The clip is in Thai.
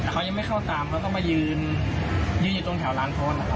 เขายังไม่เข้าตามเขาก็มายืนยืนอยู่ตรงแถวร้านทอล